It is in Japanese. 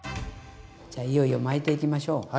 じゃいよいよ巻いていきましょう。